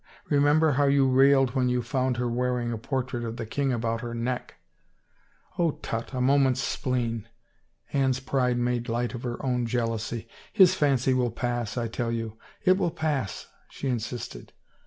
Remember how you railed when you found her wearing a portrait of the king about her neck !" "Oh, tut, a moment's spleen." Anne's pride made light of her own jealousy. " His fancy will pass, I tell )rou. It will pass," she insisted.